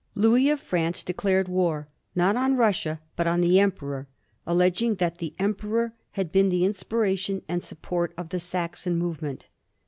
Louis of France declared war, not on Russia, but on the Emperor, alleging that the Emperor had been the inspiration and support of the Saxon movement.